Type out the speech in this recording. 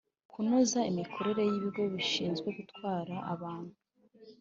Kunoza imikorere y ibigo bishinzwe gutwara abantu